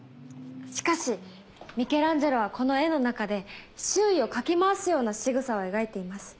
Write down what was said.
しかしミケランジェロはこの絵の中で周囲をかき回すようなしぐさを描いています。